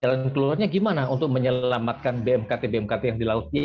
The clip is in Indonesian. jalan keluarnya gimana untuk menyelamatkan bmkt bmkt yang di lautnya